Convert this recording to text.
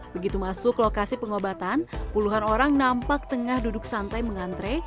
begitu masuk lokasi pengobatan puluhan orang nampak tengah duduk santai mengantre